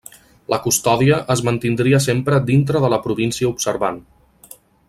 La custòdia es mantindria sempre dintre de la província observant.